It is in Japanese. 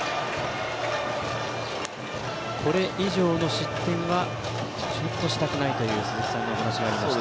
これ以上の失点はちょっとしたくないという鈴木さんのお話がありました。